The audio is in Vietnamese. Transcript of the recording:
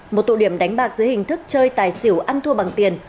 một tụ điểm đánh bạc dưới hình thức chơi tài xỉu ăn thua bằng tiền